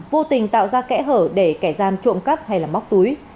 vô tình tạo ra kẽ hở để kẻ gian trộm cắp hay móc túi